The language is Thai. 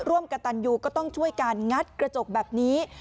ร่วมกับตันยูก็ต้องช่วยการงัดกระจกแบบนี้